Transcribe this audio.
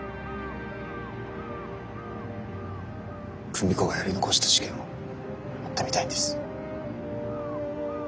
久美子がやり残した事件を追ってみたいんです。